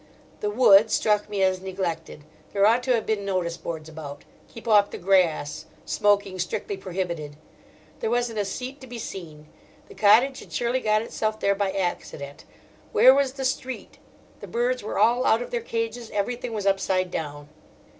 The wood struck me as neglected: there ought to have been notice boards about, "Keep off the Grass," "Smoking Strictly Prohibited": there wasn't a seat to be seen. The cottage had surely got itself there by accident: where was the street? The birds were all out of their cages; everything was upside down.